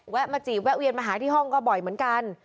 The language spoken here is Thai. มาจีบแวะเวียนมาหาที่ห้องก็บ่อยเหมือนกัน